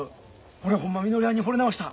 俺ホンマみのりはんにほれ直した。